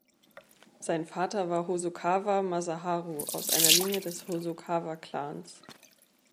Sein Vater war Hosokawa Masaharu, aus einer Linie des Hosokawa-Klans.